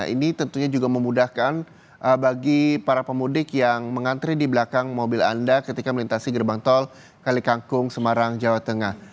ini tentunya juga memudahkan bagi para pemudik yang mengantri di belakang mobil anda ketika melintasi gerbang tol kalikangkung semarang jawa tengah